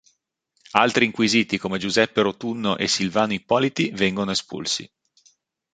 Altri inquisiti come Giuseppe Rotunno e Silvano Ippoliti vengono espulsi.